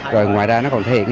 rồi ngoài ra nó còn thể hiện